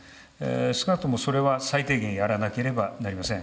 少なくともそれは最低限やらなければいけません。